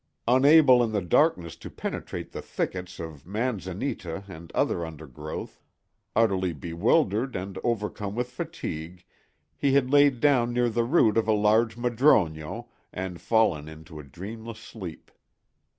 Unable in the darkness to penetrate the thickets of manzanita and other undergrowth, utterly bewildered and overcome with fatigue, he had lain down near the root of a large madroño and fallen into a dreamless sleep.